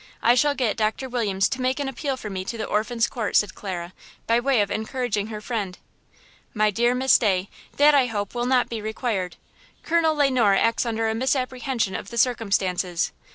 I shall get Doctor Williams to make an appeal for me to the Orphans' Court," said Clara, by way of encouraging her friend. "My dear Miss Day, that, I hope, will not be required. Colonel Le Noir acts under a misapprehension of the circumstances.